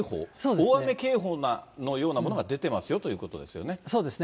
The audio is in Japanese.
大雨警報のようなものが出てますそうですね。